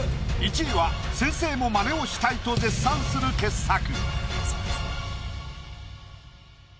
１位は先生も真似をしたいと絶賛する傑作。